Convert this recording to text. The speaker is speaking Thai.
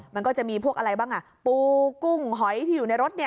มันก็จะมีพวกอะไรบ้างอ่ะปูกุ้งหอยที่อยู่ในรถเนี่ย